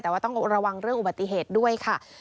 แต่ว่าต้องระวังเรื่องอุบัติเหตุด้วยค่ะ